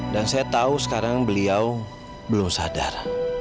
dan saya tahu sekarang beliau belum sadar